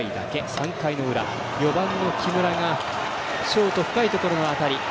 ３回の裏、４番の木村がショート、深いところの当たり。